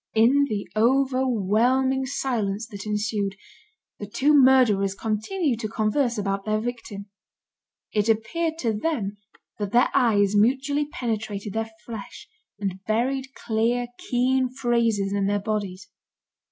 In the overwhelming silence that ensued, the two murderers continued to converse about their victim. It appeared to them that their eyes mutually penetrated their flesh, and buried clear, keen phrases in their bodies.